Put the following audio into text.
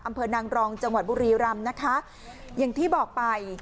อำเภอนางรองจังหวัดบุรีรำนะคะอย่างที่บอกไป